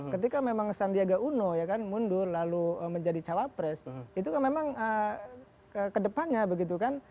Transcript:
ketika memang sandiaga uno mundur lalu menjadi calon pres itu kan memang ke depannya begitu kan